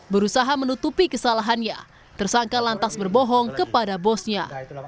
berusaha menutupi kesalahannya tersangka lantas berbohong kepada bosnya